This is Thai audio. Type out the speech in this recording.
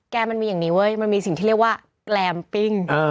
มันมีอย่างนี้เว้ยมันมีสิ่งที่เรียกว่าแกลมปิ้ง